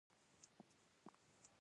آیا او ثبات یې زموږ ارامي نه ده؟